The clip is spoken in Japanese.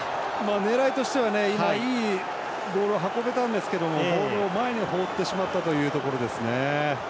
狙いとしてはいいボールを運べたんですけどボールを前に放ってしまったというところですね。